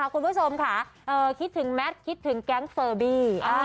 คุณผู้ชมค่ะคิดถึงแมทคิดถึงแก๊งเฟอร์บี้